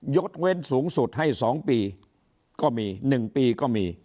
ยกเว้นสูงสุดให้สองปีก็มีหนึ่งปีก็มี